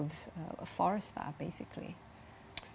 pengurusan air secara dasar